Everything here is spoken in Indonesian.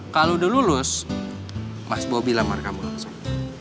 kalau udah lulus mas bobi lamar kamu langsung